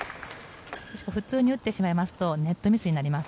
普通に打ってしまうとネットミスになります。